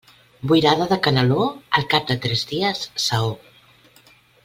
Boirada de canaló, al cap de tres dies, saó.